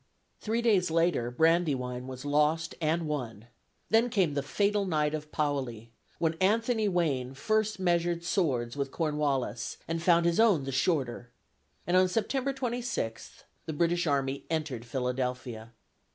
Three days later Brandywine was lost and won; then came the fatal night of Paoli, when Anthony Wayne first measured swords with Cornwallis, and found his own the shorter: and on September 26th, the British army entered Philadelphia.